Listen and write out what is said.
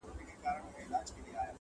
چي زه وگورمه مورته او دا ماته،